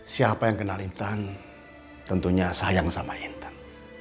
siapa yang kenal intan tentunya sayang sama intan